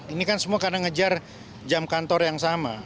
ini kan semua karena ngejar jam kantor yang sama